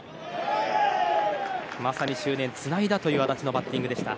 まさに執念をつないだという安達のバッティングでした。